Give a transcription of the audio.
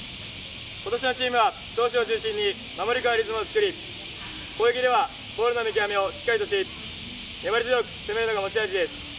ことしのチームは投手を中心に守りからリズムを作り、攻撃ではボールの見極めをしっかりとし粘り強く攻めるのが持ち味です。